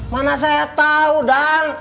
mana saya tau dang